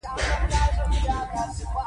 دښمنانو د ژوندون تلویزیون د بندولو هڅه وکړه